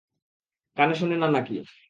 কানে শোনে না না-কি?